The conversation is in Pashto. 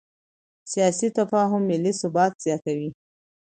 سیاسي تفاهم ملي ثبات زیاتوي